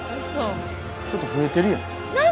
ちょっと増えてるやん。